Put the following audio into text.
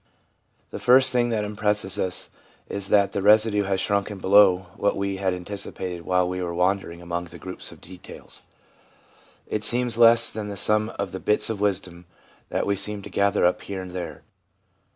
The first thing that impresses us is that the residue has shrunken below what we had anticipated while we were wandering among the groups of details. It seems less than the sum of the bits of wisdom that we seemed to gather up here and there.